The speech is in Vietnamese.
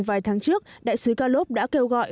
vài tháng trước đại sứ kalov đã kêu gọi